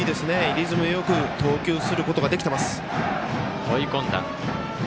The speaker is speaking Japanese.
リズムよく投球することができてます。